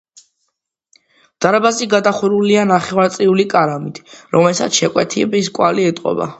დარბაზი გადახურულია ნახევარწრიული კამარით, რომელსაც შეკეთების კვალი ეტყობა.